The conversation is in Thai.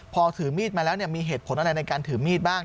พอถือมีดมาแล้วมีเหตุผลอะไรในการถือมีดบ้าง